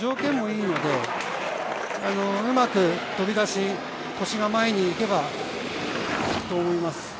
条件もいいので、うまく飛び出し、腰が前に行けばと思います。